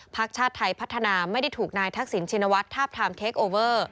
ชาติไทยพัฒนาไม่ได้ถูกนายทักษิณชินวัฒน์ทาบทามเทคโอเวอร์